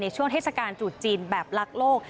ช่วงเทศกาลจุดจีนแบบรักโลก